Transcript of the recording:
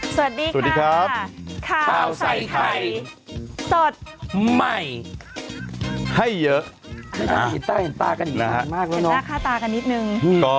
สวัสดีครับข้าวใส่ไข่สดใหม่ให้เยอะ